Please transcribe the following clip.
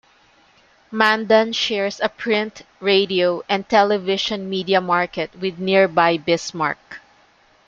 Mandan shares a print, radio, and television media market with nearby Bismarck.